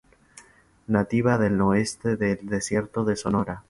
Nativa del oeste del Desierto de Sonora.